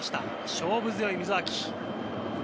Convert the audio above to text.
勝負強い、溝脇。